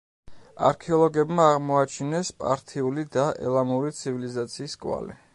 არქეოლოგებმა აღმოაჩინეს პართიული და ელამური ცივილიზაციის კვალი.